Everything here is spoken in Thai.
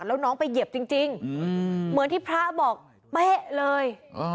แล้วน้องไปเหยียบจริงเหมือนที่พระบอกเป๊ะเลย